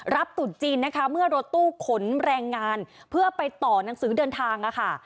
ตุดจีนนะคะเมื่อรถตู้ขนแรงงานเพื่อไปต่อหนังสือเดินทางค่ะ